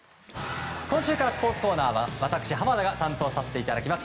今週からスポーツコーナーは私、濱田が担当させていただきます。